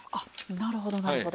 なるほどなるほど。